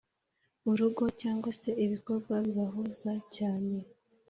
urugo cyangwa se ibikorwa bibahuza cyane.